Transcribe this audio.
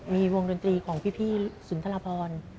มีวงดนตรีของพี่สุนทรพร